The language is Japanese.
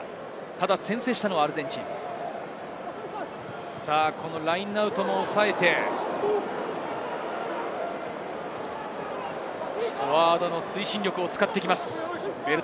ただ先制したのはアルゼンチン、ラインアウトもおさえて、フォワードの推進力を使ってきます。